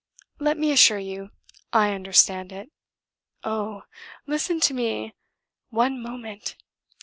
Let me assure you, I understand it. Oh! listen to me: one moment.